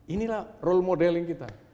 inilah role modeling kita